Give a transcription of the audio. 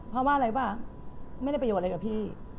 เพราะว่าอะไรป่ะไม่ได้ประโยชน์อะไรกับพี่